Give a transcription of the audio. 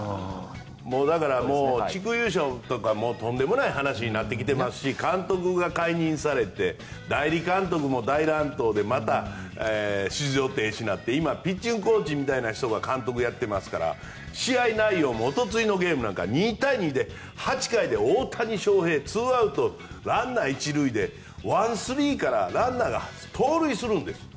だから、地区優勝とかとんでもない話になってきてますし監督が解任されて代理監督も大乱闘でまた出場停止になって今ピッチャーコーチみたいな人が監督をやっていますから試合内容もおとといのゲームなんか２対２で８回で大谷翔平２アウト、ランナー１塁で１−３からランナーが盗塁するんです。